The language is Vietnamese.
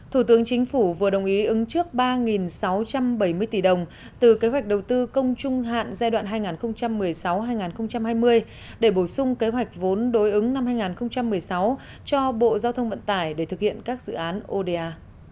thủ tướng chính phủ vừa đồng ý ứng trước ba sáu trăm bảy mươi tỷ đồng từ kế hoạch đầu tư công trung hạn giai đoạn hai nghìn một mươi sáu hai nghìn hai mươi để bổ sung kế hoạch vốn đối ứng năm hai nghìn một mươi sáu cho bộ giao thông vận tải để thực hiện các dự án oda